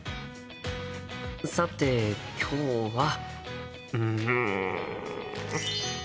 さて今日はうん。